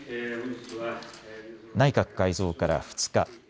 内閣改造から２日。